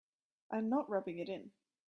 I'm not rubbing it in.